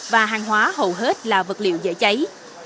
và hàng hóa hầu hết là vật liệu dễ cháy